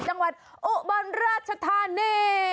จังหวัดอุบลราชธานี